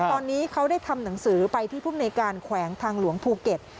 ตอนนี้เขาได้ทำหนังสือไปที่ภูมิในการแขวงทางหลวงภูเก็ต